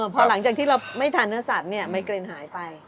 พอหลังจากที่เราไม่ทานเนื้อสัตว์ไมเกรนหายไป